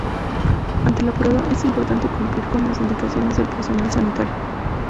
Ante la prueba, es importante cumplir con las indicaciones del personal sanitario.